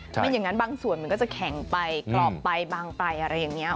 ไม่อย่างนั้นบางส่วนมันก็จะแข็งไปกรอบไปบางไปอะไรอย่างนี้